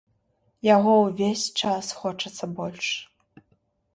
Яго ўвесь час хочацца больш.